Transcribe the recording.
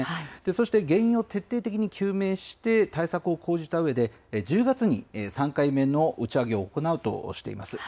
そして原因を徹底的に究明して対策を講じたうえで、１０月に３回目の打ち上げを行うとしています。